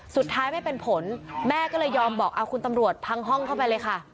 สุดท้ายไม่เป็นผลแม่ก็เลยยอมบอกเอาคุณตำรวจพังห้องเข้าไปเลยค่ะ